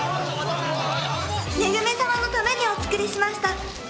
恵さまのためにお作りしました。